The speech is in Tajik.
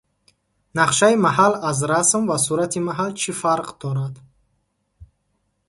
Накшаи маҳал аз расм ва сурати маҳал чӣ фарқ дорад?